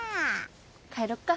帰ろっか。